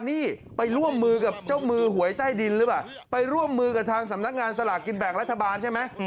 นี่ไปร่วมมือกับเจ้ามือหวยใต้ดินหรือเปล่าไปร่วมมือกับทางสำนักงานสลากกินแบ่งรัฐบาลใช่ไหม